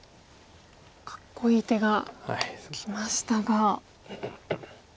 かっこいい手がきましたが。